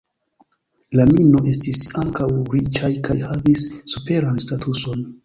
La "Mino" estis ankaŭ riĉaj kaj havis superan statuson.